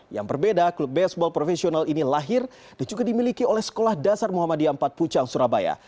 yang berbeda klub baseball profesional ini lahir dan juga dimiliki oleh sekolah dasar muhammadiyah empat pucang surabaya